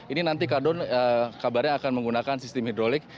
ini nanti kardon kabarnya akan menggunakan sistem hidrolik